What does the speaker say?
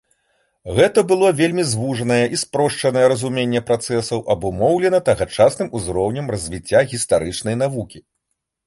Гэта было вельмі звужанае і спрошчанае разуменне працэсаў, абумоўлена тагачасным узроўнем развіцця гістарычнай навукі.